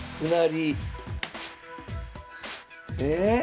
え⁉